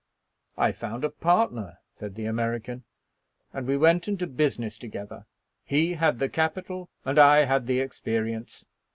'I found a partner,' said the American, 'and we went into business together. He had the capital and I had the experience.